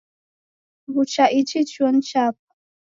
W'ucha ichi chuo ni chapo